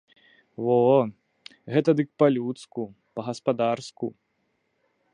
Во, гэта дык па-людску, па-гаспадарску.